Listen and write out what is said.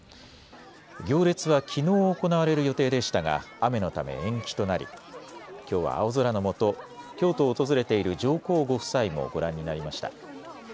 行列はきのう行われる予定でしたが雨のため延期となりきょうは青空のもと京都を訪れている上皇ご夫妻もご覧になりました。